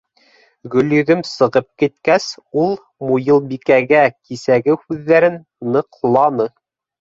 Гөлйөҙөм сығып киткәс, ул Муйылбикәгә кисәге һүҙҙәрен ныҡланы.